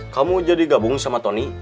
kamu jadi gabung sama tony